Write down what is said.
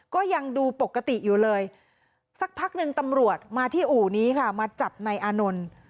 ก็ยังดูปกติอยู่เลยสักพักหนึ่งตำรวจมาที่อู่นี้ค่ะมาจับนายอานนท์